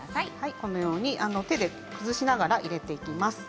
このように手で崩しながら入れていきます。